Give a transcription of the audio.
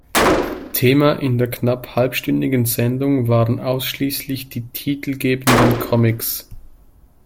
Thema in der knapp halbstündigen Sendung waren ausschließlich die titelgebenden Comics.